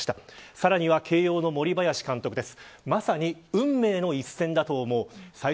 さらには慶応の森林監督です。